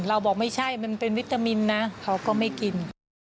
เราบอกไม่ใช่มันเป็นวิตามินนะเขาก็ไม่กิน